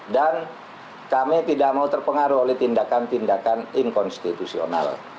dan kami tidak mau terpengaruh oleh tindakan tindakan inkonstitusional